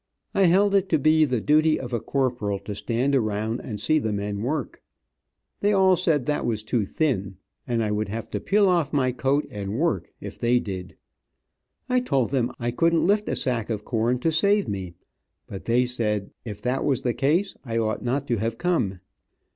I held it to be the duty of a corporal to stand around and see the men work. They all said that was too thin, and I would have to peel on my coat and work if they did. I told them I couldn't lift a sack of corn to save me, but they said if that was the case I ought not to have come.